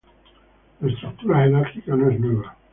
La estructura jerárquica no es nueva.